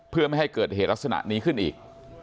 เพื่อไม่ให้เกิดเหตุลักษณะนี้ขึ้นอีก